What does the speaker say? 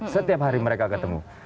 setiap hari mereka ketemu